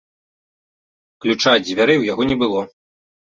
Ключа ад дзвярэй у яго не было.